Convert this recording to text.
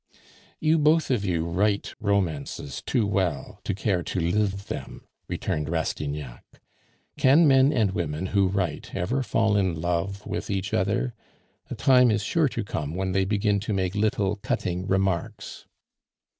"You both of you write romances too well to care to live them," returned Rastignac. "Can men and women who write ever fall in love with each other? A time is sure to come when they begin to make little cutting remarks."